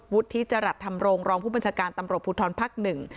ที่จรัฐธรรมรงค์รองผู้บัญชาการตำรวจภูทรภักดิ์หนึ่ง